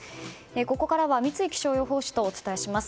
ここからは三井気象予報士とお伝えします。